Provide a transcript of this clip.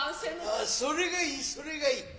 ああそれが良いそれが良い。